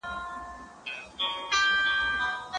د دې لپاره چې وضاحت وي، شک به زیات نه شي.